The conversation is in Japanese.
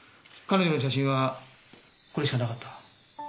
彼女の写真はこれしかなかった。